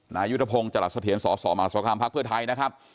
นายุทธพงศ์จรัสเถียนสสมภพไทยนะครับ